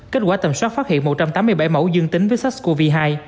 kết quả tầm soát phát hiện một trăm tám mươi bảy mẫu dương tính với sars cov hai